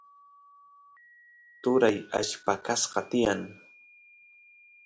turay alli paqasqa tiyan